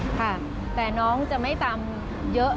ค่ะแต่น้องจะไม่ตำเยอะ